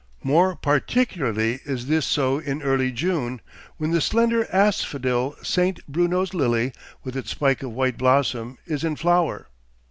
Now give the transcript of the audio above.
More particularly is this so in early June, when the slender asphodel Saint Bruno's lily, with its spike of white blossom, is in flower.